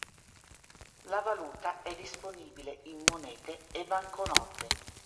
La valuta è disponibile in monete e banconote.